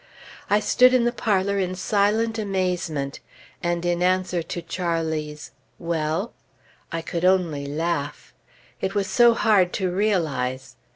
I stood in the parlor in silent amazement; and in answer to Charlie's "Well?" I could only laugh. It was so hard to realize.